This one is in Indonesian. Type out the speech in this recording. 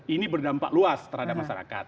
ini berdampak luas terhadap masyarakat